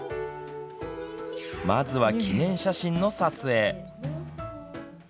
まずは記念写真の撮影。